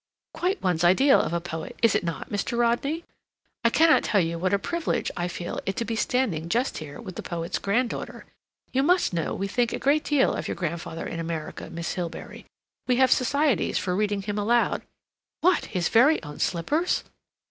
"Quite one's ideal of a poet, is it not, Mr. Rodney? I cannot tell you what a privilege I feel it to be standing just here with the poet's granddaughter. You must know we think a great deal of your grandfather in America, Miss Hilbery. We have societies for reading him aloud. What! His very own slippers!"